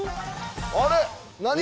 あれ何？